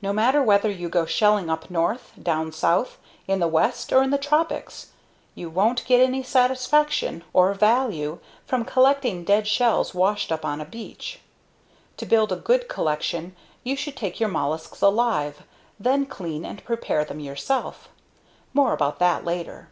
No matter whether you go shelling up North, down South, in the West or in the Tropics, you won't get any satisfaction (or value) from collecting dead shells washed up on a beach. To build a good collection, you should take your mollusks alive, then clean and prepare them yourself. (More about that later.)